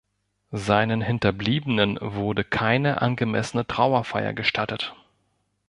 Seinen Hinterbliebenen wurde keine angemessene Trauerfeier gestattet.